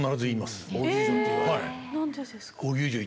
はい。